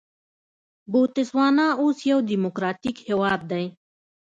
بوتسوانا اوس یو ډیموکراټیک هېواد دی.